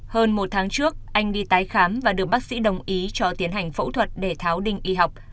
hơn một tháng trước anh đi tái khám và được bác sĩ đồng ý cho tiến hành phẫu thuật để tháo đinh y học